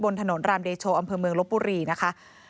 ถนนรามเดโชอำเภอเมืองลบบุรีนะคะ